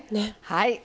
はい。